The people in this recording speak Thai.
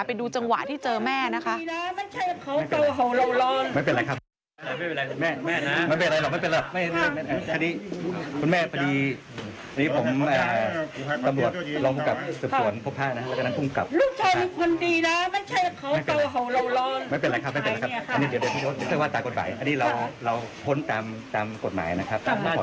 ไปดูจังหวะที่เจอแม่นะคะ